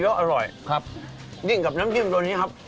แล้วอร่อยครับยิ่งกับน้ำจิ้มตัวนี้ครับ